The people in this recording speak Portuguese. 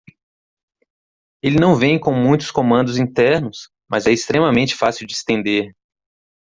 Ele não vem com muitos comandos internos?, mas é extremamente fácil de extender.